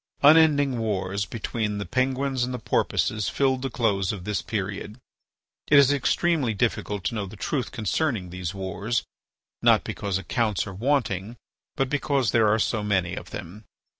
Unending wars between the Penguins and the Porpoises filled the close of this period. It is extremely difficult to know the truth concerning these wars, not because accounts are wanting, but because there are so many of them.